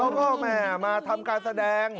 แล้วก็มาทำการแสดง